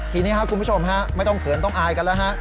ทีนี้ครับคุณผู้ชมฮะไม่ต้องเขินต้องอายกันแล้วฮะ